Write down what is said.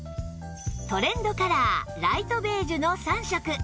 トレンドカラーライトベージュの３色